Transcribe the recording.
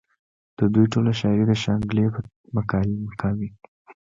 د دوي ټوله شاعري د شانګلې پۀ مقامي